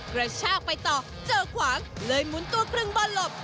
กระชากไปต่อเจอขวางเลยหมุนตัวครึ่งบอลหลบ